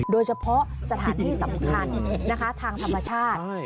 โดยเฉพาะสถานที่สำคัญนะคะทางธรรมชาติ